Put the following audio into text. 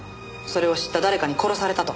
それを知った誰かに殺されたと？